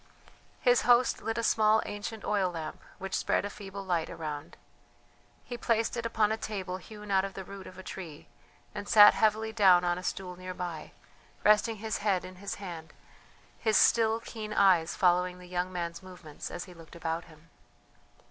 His host lit a small ancient oil lamp which spread a feeble light around. He placed it upon a table hewn out of the root of a tree, and sat heavily down on a stool near by, resting his head in his hand, his still keen eyes following the young man's movements as he looked about him.